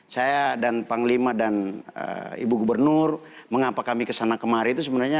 saya dan panglima dan ibu gubernur mengapa kami kesana kemari itu sebenarnya